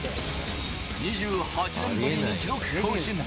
２８年ぶりに記録更新。